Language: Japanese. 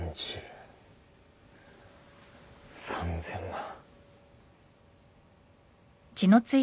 ３，０００万。